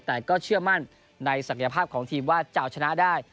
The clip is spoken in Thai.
แต่ก็เชื่อมั่นในศักยภาพของทีมว่าจะเอาชนะได้